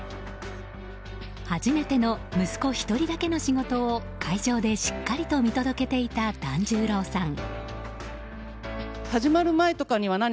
初めての息子１人だけの仕事を会場でしっかりと見届けていた團十郎さん。